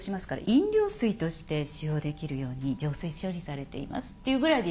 「飲料水として使用できるように浄水処理されています」っていうぐらいでいい。